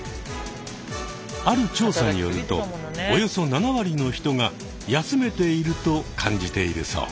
ある調査によるとおよそ７割の人が休めていると感じているそう。